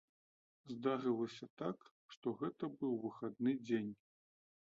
Здарылася так, што гэта быў выхадны дзень.